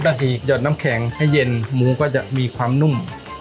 ก็คือหยอดน้ำแข็งให้เย็นหมูก็จะมีความนุ่ม